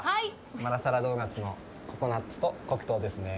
マラサダドーナツのココナッツと黒糖ですね。